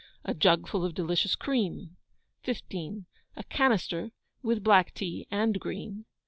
A jug full of delicious cream. 15. A canister with black tea and green.